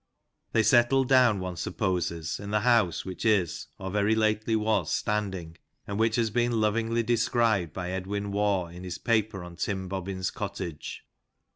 They settled down, one supposes, in the house which is, or very lately was, standing, and which has been lovingly described by Edwin Waugh in his paper on Tim Bobbin's Cottage.